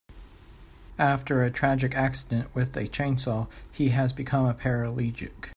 After a tragic accident with a chainsaw he has become a paraplegic.